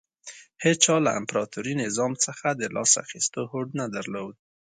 هېچا له امپراتوري نظام څخه د لاس اخیستو هوډ نه درلود